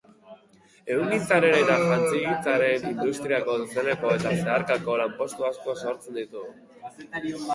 Ehungintzaren eta jantzigintzaren industriak zuzeneko eta zeharkako lanpostu asko sortzen ditu.